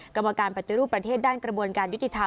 กรรมการปฏิรูปประเทศด้านกระบวนการยุติธรรม